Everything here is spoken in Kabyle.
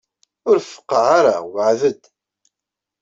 Ur feqqeɛ ara, weɛɛed-d!